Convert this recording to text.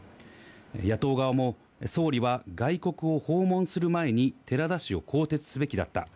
野党側も、総理は外国を訪問する前に寺田氏を更迭すべきだった。